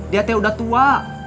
dia tia udah tua